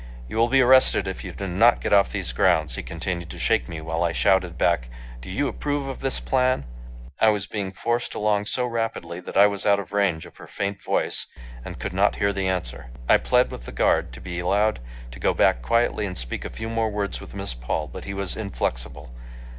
"You will be arrested if you do not get off these grounds." He continued to shake me while I shouted back, "Do you approve of this plan?" I was being forced along so rapidly that I was out of range of her faint voice and could not hear the answer. I plead with the guard to be allowed to go back quietly and speak a few more words with Miss Paul, but he was inflexible.